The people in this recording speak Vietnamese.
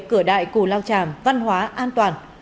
cửa đại cù lao tràm văn hóa an toàn